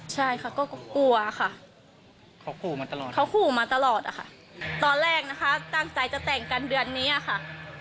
ใช่ค่ะก็กลัวค่ะเขาคู่มาตลอดค่ะตอนแรกนะคะตั้งใจจะแต่งกันเดือนนี้ค่ะ